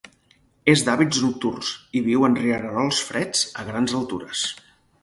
És d'hàbits nocturns i viu en rierols freds a grans altures.